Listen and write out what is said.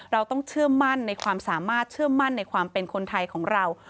เราต้องเชื่อมั่นในความสามารถเชื่อมั่นในความเป็นคนไทยของเรา